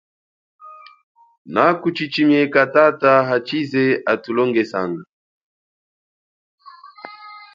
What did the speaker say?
Naku chichimieka tata hachize atulongesanga.